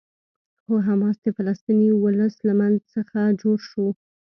خو حماس د فلسطیني ولس له منځ څخه جوړ شو.